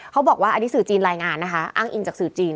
เขาบอกว่าอันนี้สื่อจีนรายงานนะคะอ้างอิงจากสื่อจีน